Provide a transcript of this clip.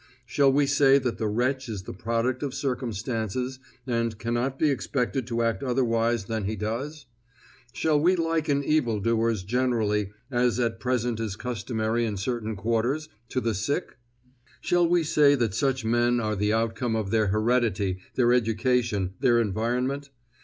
Shall we say that the wretch is the product of circumstances, and cannot be expected to act otherwise than he does? Shall we liken evildoers generally, as at present is customary in certain quarters, to the sick? Shall we say that such men are the outcome of their heredity, their education, their environment?